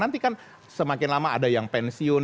nanti kan semakin lama ada yang pensiun